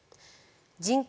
人口